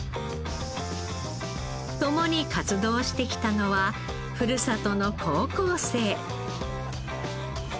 共に活動してきたのはふるさとの高校生。